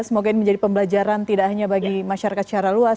semoga ini menjadi pembelajaran tidak hanya bagi masyarakat secara luas